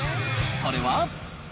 それは。